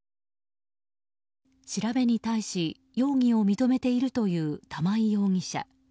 調べに対し容疑を認めているという玉井容疑者。